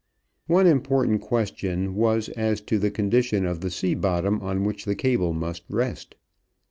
One important question was as to the condition of the sea bottom on which the cable must rest.